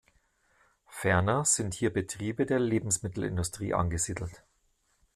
Ferner sind hier Betriebe der Lebensmittelindustrie angesiedelt.